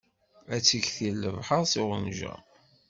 Ad iktil lebḥeṛ s uɣenja.